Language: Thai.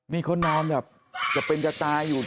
มีคนน้องแบบจะเป็นจะตายอยู่